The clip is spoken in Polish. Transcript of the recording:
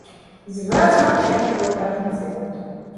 Zwracam się do prawicy